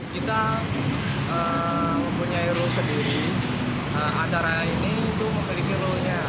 kita mempunyai ruh sendiri antara ini itu memiliki ruhnya